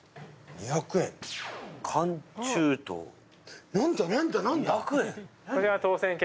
２００円？え！